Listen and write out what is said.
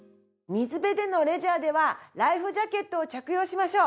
水辺でのレジャーではライフジャケットを着用しましょう。